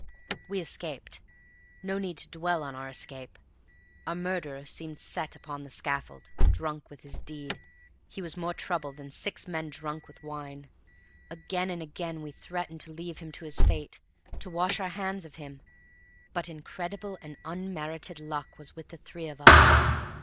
We escaped; no need to dwell on our escape. Our murderer seemed set upon the scaffold drunk with his deed, he was more trouble than six men drunk with wine. Again and again we threatened to leave him to his fate, to wash our hands of him. But incredible and unmerited luck was with the three of us.